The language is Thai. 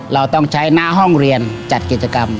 เราต้องใช้หน้าห้องเรียนจัดกิจกรรม